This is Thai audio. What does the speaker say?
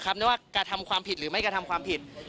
ไม่ว่ากระทำความผิดหรือไม่กระทำความผิด